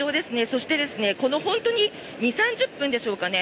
そして、本当にこの２０３０分でしょうかね